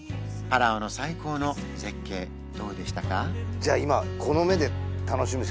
パラオの最高の絶景どうでしたか？